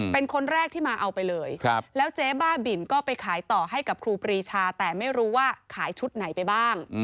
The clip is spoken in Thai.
เป็นคนแรกที่มาเอาไปเลยแล้วเจ๊บ้าบินก็ไปขายต่อให้กับครูปรีชาแต่ไม่รู้ว่าขายชุดไหนไปบ้าง